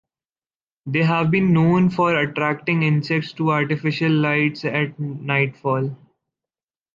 They have been known for attracting insects to artificial lights at nightfall.